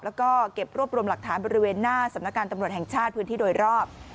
แล้วก็เก็บรวบรวมหลักฐานบริเวณหน้าสำนักงานตำรวจแห่งชาติพื้นที่โดยรอบ